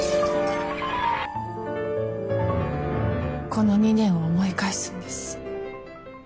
この２年を思い返すんです。